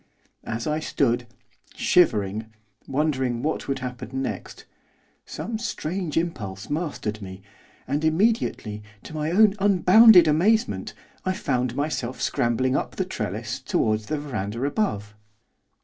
As I stood, shivering, wondering what would happen next, some strange impulse mastered me, and, immediately, to my own unbounded amazement, I found myself scrambling up the trellis towards the verandah above.